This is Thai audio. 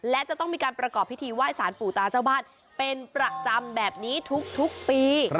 และจะต้องมีการประกอบพิธีไหว้สารปู่ตาเจ้าบ้านเป็นประจำแบบนี้ทุกปี